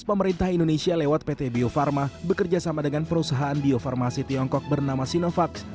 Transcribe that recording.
pemerintah indonesia lewat pt bio farma bekerja sama dengan perusahaan bio farmasi tiongkok bernama sinovac